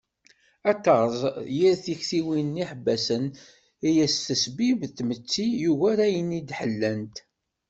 Ad terẓ yir tiktiwin d yiḥebbasen i as-tesbib tmetti yugar ayen i d-ḥellant.